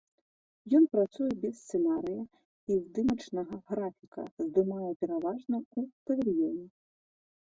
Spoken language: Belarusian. Ён працуе без сцэнарыя і здымачнага графіка, здымае пераважна ў павільёне.